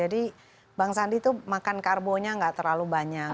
dan karbonya gak terlalu banyak